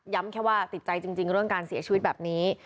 แค่ว่าติดใจจริงเรื่องการเสียชีวิตแบบนี้